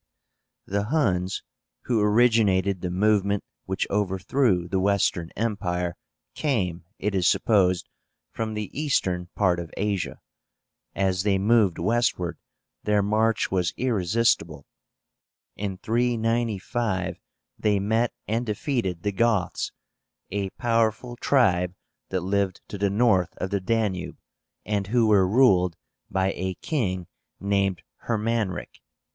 The HUNS, who originated the movement which overthrew the Western Empire, came, it is supposed, from the eastern part of Asia. As they moved westward, their march was irresistible. In 395 they met and defeated the GOTHS, a powerful tribe that lived to the north of the Danube, and who were ruled by a king named Hermanric.